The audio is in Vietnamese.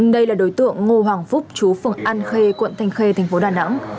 đây là đối tượng ngô hoàng phúc chú phường an khê quận thanh khê thành phố đà nẵng